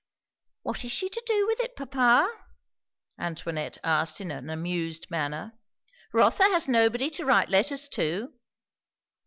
"What is she to do with it, papa?" Antoinette asked in an amused manner. "Rotha has nobody to write letters to."